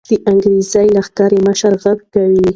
د انګریزي لښکر مشري غږ کوي.